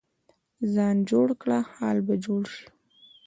ځان جوړ کړه، حال به جوړ شي.